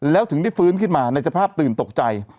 แล้วถึงได้ฟื้นขึ้นมาในสภาพตื่นตกใจ